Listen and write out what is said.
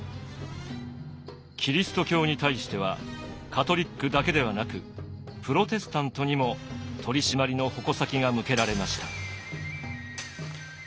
キリスト教に対してはカトリックだけではなくプロテスタントにも取締りの矛先が向けられました。